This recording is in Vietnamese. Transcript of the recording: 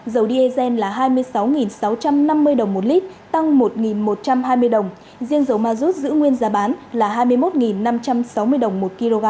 dầu diesel là hai mươi sáu sáu trăm năm mươi đồng một lít tăng một một trăm hai mươi đồng riêng dầu ma rút giữ nguyên giá bán là hai mươi một năm trăm sáu mươi đồng một kg